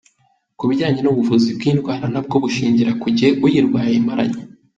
Ku bijyanye n’ubuvuzi bw’iyi ndwara na bwo bushingira ku gihe uyirwaye ayimaranye.